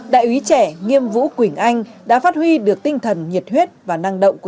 đại úy trẻ nghiêm vũ quỳnh anh đã phát huy được tinh thần nhiệt huyết và năng động của